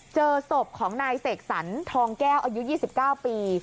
เจอศพของนายเสกสรรทองแก้วอายุยี่สิบเก้าปี